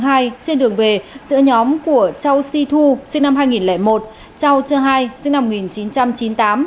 trên đường về giữa nhóm của châu si thu sinh năm hai nghìn một châu chơ hai sinh năm một nghìn chín trăm chín mươi tám